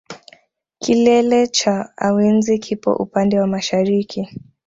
Kilele cha awenzi kipo upande wa mashariki